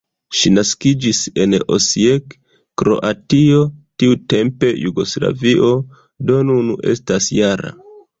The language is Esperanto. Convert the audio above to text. Ŝi naskiĝis en Osijek, Kroatio, tiutempe Jugoslavio, do nun estas -jara.